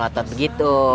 jangan lotot begitu